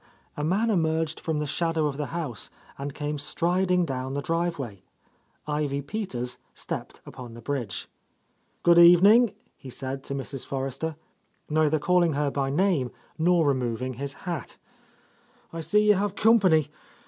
A man emerged from the shadow of the house and came striding down the drive way. Ivy Peters stepped upon the bridge. "Good evening," he said to Mrs. Forrester, neither calling her by name nor removing his hat. "I see you have company.